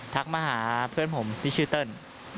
มาหาเพื่อนผมที่ชื่อเติ้ล